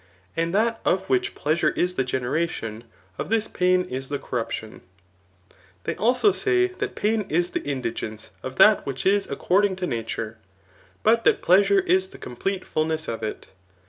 And that of which pleasure is the generation, of this pain is the corruption* They also say, that pain is the indigence of that which is according to nature ; but that pleasure is the complete fulness of it.